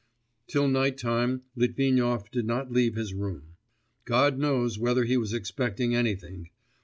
Till night time Litvinov did not leave his room; God knows whether he was expecting anything.